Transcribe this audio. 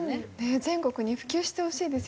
全国に普及してほしいですよね。